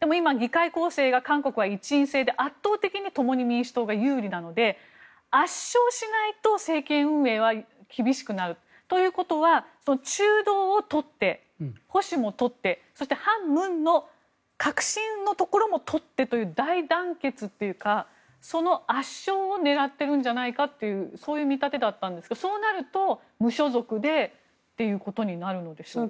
でも今、議会構成が韓国は一院制で圧倒的に民主党が有利なので圧勝しないと政権運営は厳しくなるということは中道を取って、保守も取ってそして反文の革新のところも取ってという大団結というか、その圧勝を狙ってるんじゃないかというそういう見立てだったんですがそうなると無所属でということになるのでしょうか？